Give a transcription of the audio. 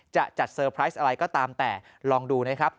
จะจัดเซอร์ไพรส์อะไรก็ตามแต่ลองดูนะครับ